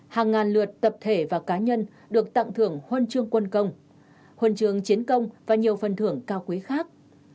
hàng ngàn lượt tập thể và cá nhân được tặng thưởng huân chương quân công huân chương chiến công và nhiều phần thưởng cao quý khác